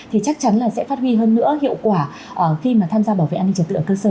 thì chắc chắn là sẽ phát huy hơn nữa hiệu quả khi mà tham gia bảo vệ an ninh trật tự ở cơ sở